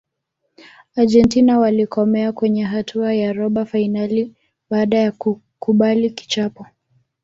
argentina walikomea kwenye hatua ya robo fainali baada ya kukubali kichapo